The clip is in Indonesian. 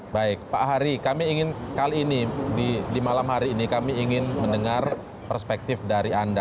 baik pak hari kami ingin kali ini di malam hari ini kami ingin mendengar perspektif dari anda